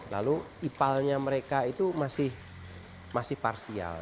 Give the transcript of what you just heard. lalu ipalnya mereka itu masih parsial